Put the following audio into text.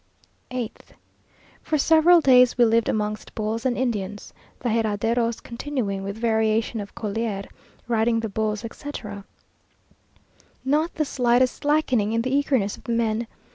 8th. For several days we lived amongst bulls and Indians, the herraderos continuing, with variation of colear, riding the bulls, etc. Not the slightest slackening in the eagerness of the men.